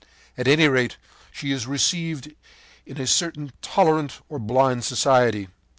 At any rate, she is received in a certain tolerant, or blind society.